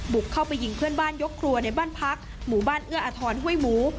บุกเข้าไปยิงเพื่อนบ้านยกครัวในบ้านพักหมู่บ้านเอื้ออทรห้วยหมู